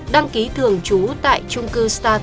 đăng ký thường trú tại trung cư